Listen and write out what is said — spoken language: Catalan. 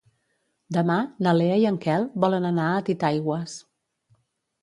Demà na Lea i en Quel volen anar a Titaigües.